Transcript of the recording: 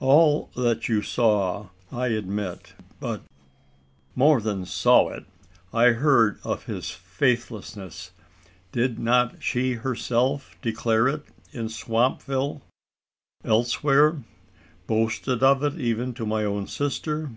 "All that you saw, I admit, but " "More than saw it: I heard of his faithlessness. Did not she herself declare it in Swampville? elsewhere! boasted of it even to my own sister!